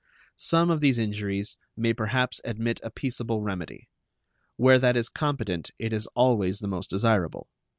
Some of these injuries may perhaps admit a peaceable remedy. Where that is competent it is always the most desirable.